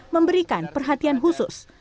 memberikan perhatian khusus